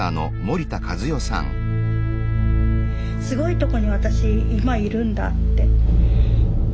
すごいところに私今いるんだって。